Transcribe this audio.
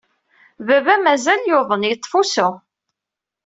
Baba mazal yuḍen, yeṭṭef usu.